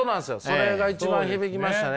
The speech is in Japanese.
それが一番響きましたね。